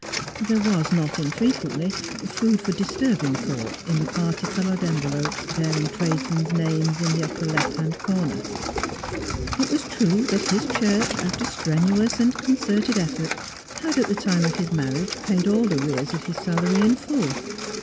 There was not infrequently food for disturbing thought in the parti coloured envelopes, bearing tradesmen's names in the upper left hand corner. It was true that his church, after strenuous and con certed effort, had at the time of his marriage i^aid all arrears of his salary in full.